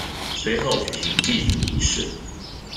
随后举行祭祖仪式。